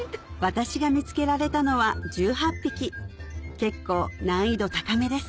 私が見つけられたのは１８匹結構難易度高めです